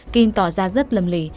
kim tỏ ra rất lầm lỉ